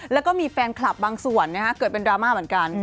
แล้วก็มีแฟนคลับบางส่วนเกิดเป็นดราม่าเหมือนกัน